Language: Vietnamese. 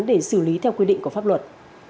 để xử lý theo quy định của pháp luật